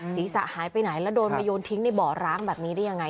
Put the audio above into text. ศีรษะหายไปไหนแล้วโดนมาโยนทิ้งในบ่อร้างแบบนี้ได้ยังไง